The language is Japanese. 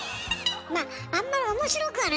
まああんまり面白くはないけどね。